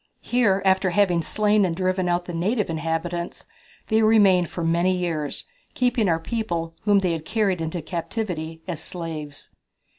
Here, after having slain and driven out the native inhabitants, they remained for many years, keeping our people, whom they had carried into captivity, as slaves."